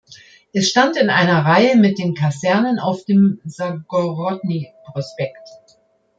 Es stand in einer Reihe mit den Kasernen auf dem Sagorodny-Prospekt.